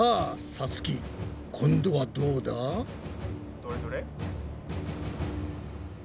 どれどれ？